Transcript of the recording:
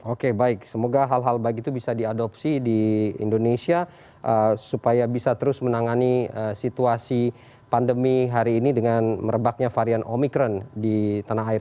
oke baik semoga hal hal baik itu bisa diadopsi di indonesia supaya bisa terus menangani situasi pandemi hari ini dengan merebaknya varian omikron di tanah air